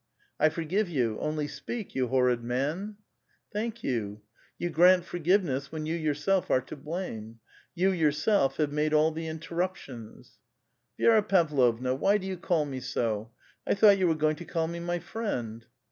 '' I forgive you ; only speak, you horrid man !" "Thank you; you grant forgiveness when you yourself are to blame. You, yourself, have made all the inter ruptions." *' Vi^ra Pavlovna, why do you call me so? I thought you were going to call me my friend?